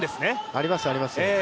あります、あります。